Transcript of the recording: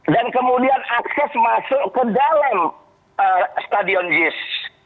dan kemudian akses masuk ke dalam stadion jis